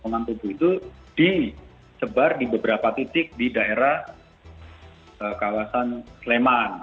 potongan tubuh itu disebar di beberapa titik di daerah kawasan sleman